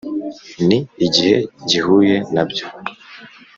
N igihe gihuye na byo